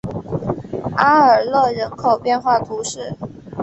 阿尔勒人口变化图示